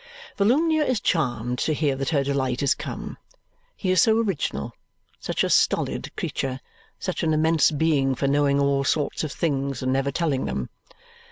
Volumnia is charmed to hear that her delight is come. He is so original, such a stolid creature, such an immense being for knowing all sorts of things and never telling them!